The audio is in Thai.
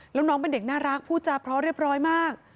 แล้วน้องเป็นเด็กน่ารักพูดจาเพราะเรียบร้อยมาก